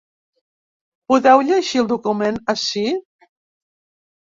Podeu llegir el document ací.